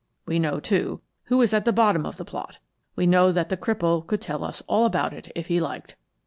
We know, too, who is at the bottom of the plot, we know that the cripple could tell us all about it if he liked.